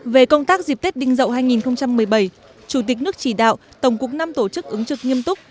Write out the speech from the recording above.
về công tác dịp tết đinh dậu hai nghìn một mươi bảy chủ tịch nước chỉ đạo tổng cục năm tổ chức ứng trực nghiêm túc